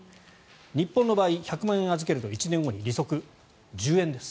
日本の場合、１００万円預けると１年後に利息１０円です。